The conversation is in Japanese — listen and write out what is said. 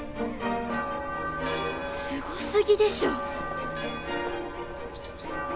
すご過ぎでしょ。